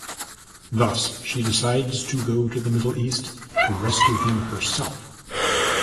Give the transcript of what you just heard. Thus she decides to go to the Middle East to rescue him herself.